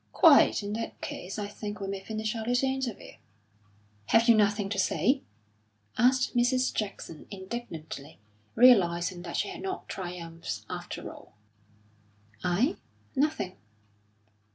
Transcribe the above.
"Quite! In that case, I think we may finish our little interview." "Have you nothing to say?" asked Mrs. Jackson indignantly, realising that she had not triumphed after all. "I? Nothing."